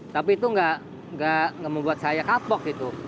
tapi itu nggak membuat saya kapok gitu